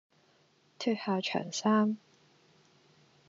脫下長衫，